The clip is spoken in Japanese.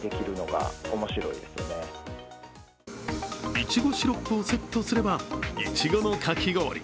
いちごシロップをセットすればいちごのかき氷。